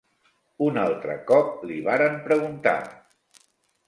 Un altre cop li varen preguntar...